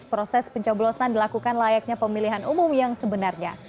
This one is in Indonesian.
proses pencoblosan dilakukan layaknya pemilihan umum yang sebenarnya